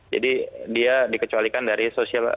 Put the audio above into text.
jadi dia dikecualikan dari social law